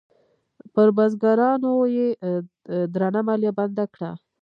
پر بزګرانو یې درنه مالیه بنده کړه.